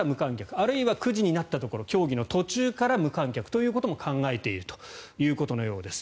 あるいは９時になったところ競技の途中から無観客ということも考えているということです。